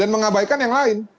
dan mengabaikan yang lain